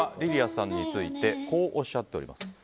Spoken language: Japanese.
さんについてこうおっしゃっています。